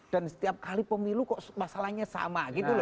dan setiap kali pemilu kok masalahnya sama gitu loh